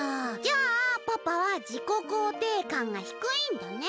じゃあパパは自己肯定感がひくいんだね。